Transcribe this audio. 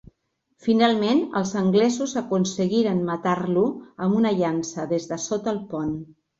Finalment els anglesos aconseguiren matar-lo amb una llança des de sota el pont.